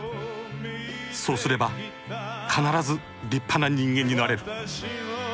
「そうすれば、必ず立派な人間になれる」。